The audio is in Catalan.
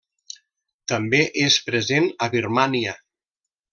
També és present a Birmània.